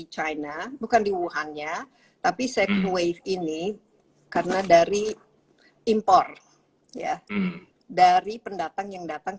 china bukan di wuhannya tapi second wave ini karena dari impor ya dari pendatang yang datang